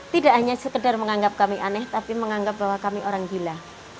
tidak hanya sekedar menganggap kami aneh tapi menganggap bahwa kami orang gila